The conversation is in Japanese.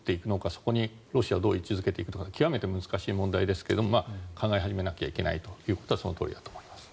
そこにロシアをどう位置付けていくのか極めて難しい問題ですけど考え始めなきゃいけないということはそうだろうと思います。